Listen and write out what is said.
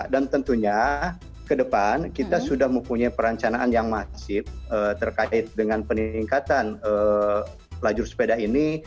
dan tentunya ke depan kita sudah mempunyai perancanan yang masif terkait dengan peningkatan lajur sepeda ini